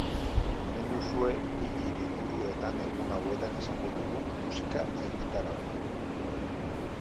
Hemen duzue bi hiriburuetan egun hauetan izango dugun musika-egitaraua.